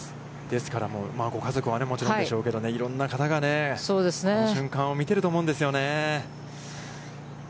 ですから、ご家族はもちろんでしょうけど、いろんな方がねこの瞬間を見ていると思うんですよね。